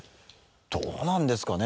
どうなんですかね？